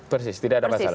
persis tidak ada masalah